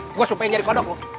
eh gue supaya jadi kodok loh